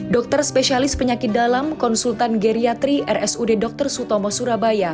dokter spesialis penyakit dalam konsultan geriatri rsud dr sutomo surabaya